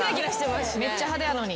めっちゃ派手やのに。